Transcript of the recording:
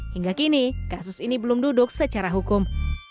hingga kini kasus ini belum duduk secara hukum